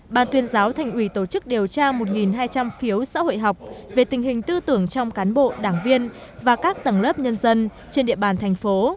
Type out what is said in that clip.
ban tuyên giáo thành ủy tổ chức điều tra một hai trăm linh phiếu xã hội học về tình hình tư tưởng trong cán bộ đảng viên và các tầng lớp nhân dân trên địa bàn thành phố